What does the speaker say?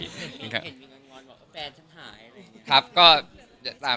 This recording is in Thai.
เห็นวิงวอนบอกว่าแฟนฉันหายอะไรอย่างนี้ครับ